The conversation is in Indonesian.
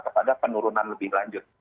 jadi ini adalah penurunan lebih lanjut